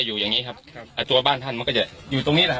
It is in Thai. อยู่อย่างงี้ครับครับอ่าตัวบ้านท่านมันก็จะอยู่ตรงนี้แหละฮ